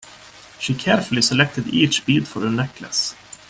She carefully selected each bead for her necklace.